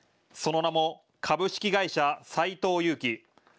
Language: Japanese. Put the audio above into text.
その名も株式会社斎藤佑樹。